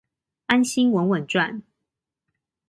安心穩穩賺